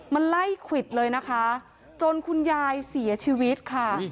มันไล่ควิดเลยนะคะจนคุณยายเสียชีวิตค่ะ